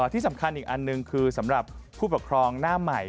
ที่สำคัญอีกอันหนึ่งคือสำหรับผู้ปกครองหน้าใหม่